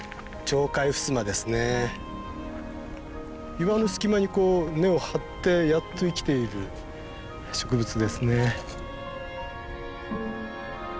岩の隙間にこう根を張ってやっと生きている植物ですね。